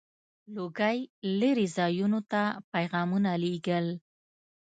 • لوګی لرې ځایونو ته پيغامونه لیږل.